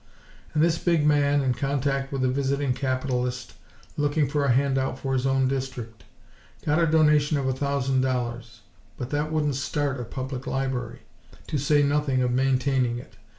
and this big man, in contact with a visiting capitalist, looking for a handout for his own district, got a donation of a thousand dollars. But that wouldn't start a public library; to say nothing of maintaining it.